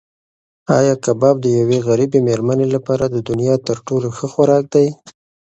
ایا کباب د یوې غریبې مېرمنې لپاره د دنیا تر ټولو ښه خوراک دی؟